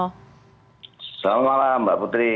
selamat malam mbak putri